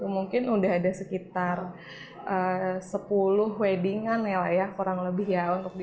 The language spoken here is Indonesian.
mungkin udah ada sekitar sepuluh weddingan ya lah ya kurang lebih ya